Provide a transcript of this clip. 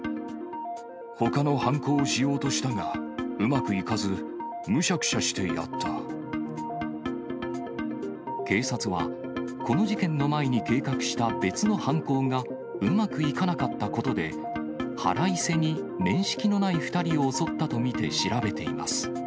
ほかの犯行をしようとしたが、うまくいかず、警察は、この事件の前に計画した別の犯行がうまくいかなかったことで、腹いせに面識のない２人を襲ったと見て調べています。